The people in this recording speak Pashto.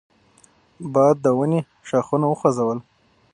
باد د ونې ښاخونه وخوځول.